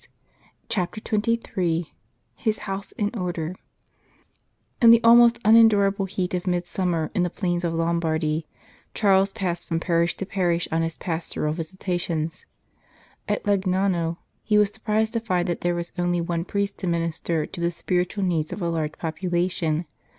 225 CHAPTER XXXIII HIS HOUSE IN ORDER IN the almost unendurable heat of midsummer in the plains of Lombardy, Charles passed from parish to parish on his pastoral visitations. At Legnano he was surprised to find that there was only one priest to minister to the spiritual needs of a large population.